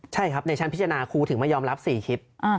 ใช่ครับในชั้นพิจารณาครูถึงไม่ยอมรับ๔คลิป